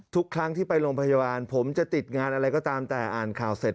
ทุกครั้งที่ไปโรงพยาบาลผมจะติดงานอะไรก็ตามแต่อ่านข่าวเสร็จ